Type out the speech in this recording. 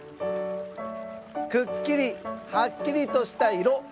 くっきりはっきりとしたいろ